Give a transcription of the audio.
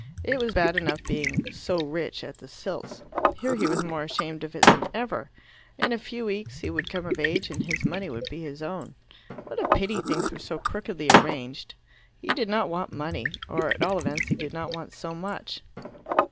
It was bad enough being "so rich" at the Silts; here he was more ashamed of it than ever. In a few weeks he would come of age and his money be his own. What a pity things were so crookedly arranged. He did not want money, or at all events he did not want so much.